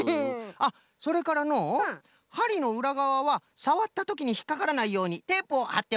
あっそれからのうはりのうらがわはさわったときにひっかからないようにテープをはっておくとよいぞ。